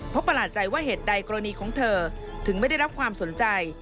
เพราะประหลาดใจว่าเหตุใดกรณีของเธอถึงไม่ได้รับความสนใจ